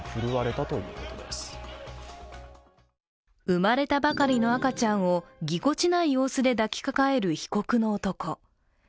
生まれたばかりの赤ちゃんをぎこちない様子で抱きかかえる被告の男。